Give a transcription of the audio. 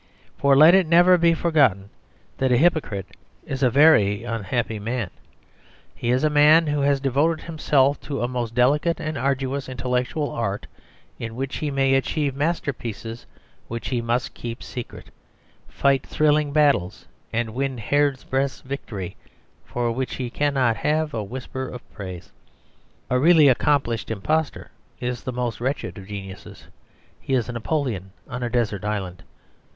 For let it never be forgotten that a hypocrite is a very unhappy man; he is a man who has devoted himself to a most delicate and arduous intellectual art in which he may achieve masterpieces which he must keep secret, fight thrilling battles, and win hair's breadth victories for which he cannot have a whisper of praise. A really accomplished impostor is the most wretched of geniuses; he is a Napoleon on a desert island.